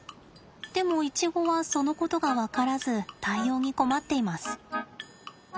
でもイチゴはそのことが分からず対応に困っています。